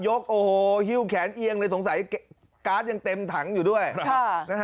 โอ้โหหิ้วแขนเอียงเลยสงสัยการ์ดยังเต็มถังอยู่ด้วยนะฮะ